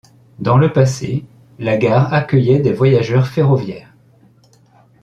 Dans le passé, la gare accueillait des voyageurs ferroviaires.